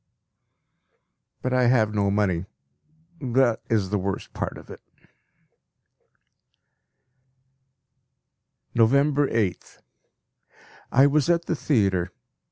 But I have no money that is the worst part of it! November 8th. I was at the theatre.